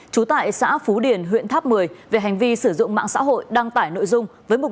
trú tại xã phú điền huyện tháp một mươi về hành vi sử dụng mạng xã hội đăng tải nội dung với mục